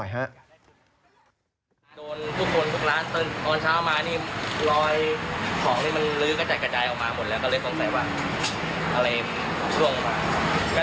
ลงไปมีการคิดตัวเองหรอ